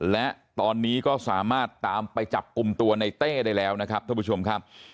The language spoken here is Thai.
และตอนนี้ก็สามารถตามไปจับกลุ่มตัวในเต้ได้แล้วนะครับท่านผู้ชมครับ